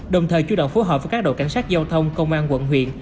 đồng thời chủ động phối hợp với các đội cảnh sát giao thông công an quận huyện